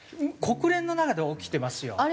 国連の中で起きてますよ。